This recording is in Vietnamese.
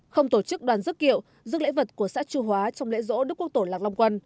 không tổ chức đoàn dứt kiệu rước lễ vật của xã chu hóa trong lễ rỗ đức quốc tổ lạc long quân